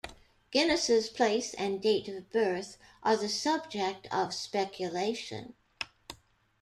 Guinness's place and date of birth are the subject of speculation.